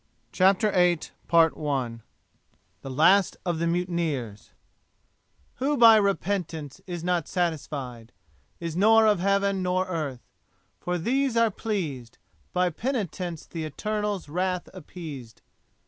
CHAPTER VIII THE LAST OF THE MUTINEERS Who by repentance is not satisfied, Is nor of heaven nor earth; for these are pleased; By penitence th' Eternal's wrath's appeased.